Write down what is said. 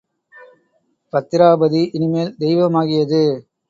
பத்திராபதி இனிமேல் தெய்வமாகியது.